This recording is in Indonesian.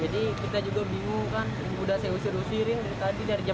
jadi kita juga bingung kan udah saya usir usiring dari tadi dari jam delapan